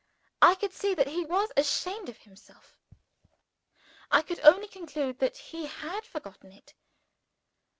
I could see that he was ashamed of himself I could only conclude that he had forgotten it!